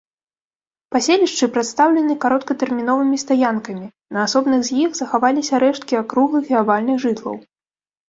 Паселішчы прадстаўлены кароткатэрміновымі стаянкамі, на асобных з іх захаваліся рэшткі акруглых і авальных жытлаў.